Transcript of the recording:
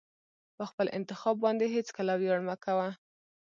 په خپل انتخاب باندې هېڅکله ویاړ مه کوه.